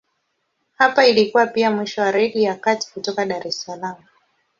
Hapa ilikuwa pia mwisho wa Reli ya Kati kutoka Dar es Salaam.